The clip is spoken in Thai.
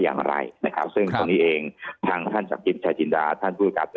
ท่านรองโฆษกครับ